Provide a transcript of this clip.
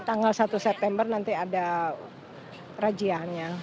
tanggal satu september nanti ada rajianya